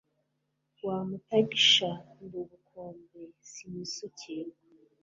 Rwa MutagishaNdi ubukombe sinisukirwa.